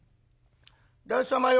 旦様よ」。